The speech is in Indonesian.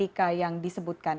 etika yang disebutkan